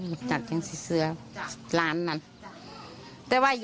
อันที่ฆ่าไปขายเลยหยายแพ้จาก